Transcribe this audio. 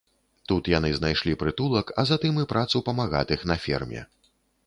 Тут яны знайшлі прытулак, а затым і працу памагатых на ферме.